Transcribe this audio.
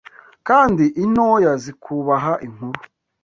kandi intoya zikubaha inkuru